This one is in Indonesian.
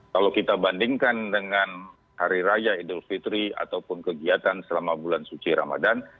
kalau kita bandingkan dengan hari raya idul fitri ataupun kegiatan selama bulan suci ramadan